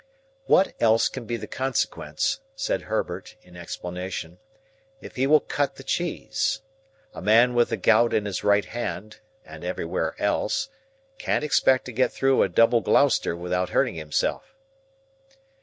"What else can be the consequence," said Herbert, in explanation, "if he will cut the cheese? A man with the gout in his right hand—and everywhere else—can't expect to get through a Double Gloucester without hurting himself."